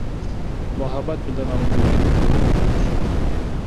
محبت مې د نا امیدۍ په ژوره کې ښخ شو.